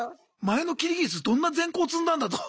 前のキリギリスどんな善行積んだんだと。